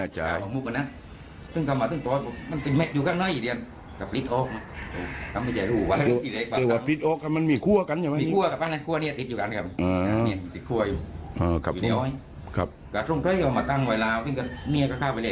ใช่